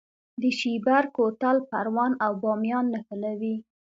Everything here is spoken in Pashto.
د شیبر کوتل پروان او بامیان نښلوي